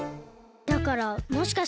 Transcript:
だからもしかして。